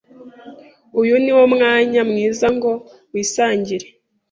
Uyu ni wo mwanya mwiza ngo wisangire